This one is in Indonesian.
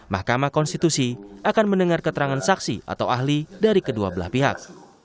mahkamah konstitusi akan mendengar keterangan saksi atau ahli dari kedua belah pihak